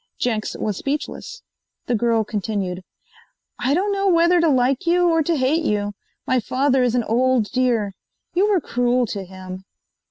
Jenks was speechless. The girl continued: "I don't know whether to like you or to hate you. My father is an old dear. You were cruel to him."